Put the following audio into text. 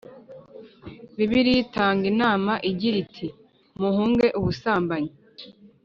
Bibiliya itanga inama igira iti muhunge ubusambanyi